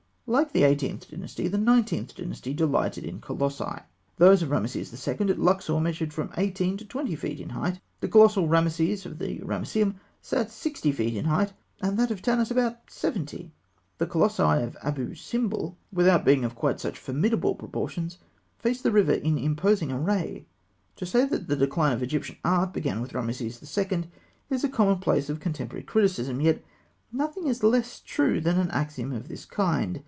Like the Eighteenth Dynasty, the Nineteenth Dynasty delighted in colossi. Those of Rameses II. at Luxor measured from eighteen to twenty feet in height (fig. 201); the colossal Rameses of the Ramesseum sat sixty feet high; and that of Tanis about seventy. The colossi of Abû Simbel, without being of quite such formidable proportions, face the river in imposing array. To say that the decline of Egyptian art began with Rameses II. is a commonplace of contemporary criticism; yet nothing is less true than an axiom of this kind.